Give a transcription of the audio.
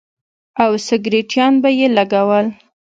او سگرټيان به يې لگول.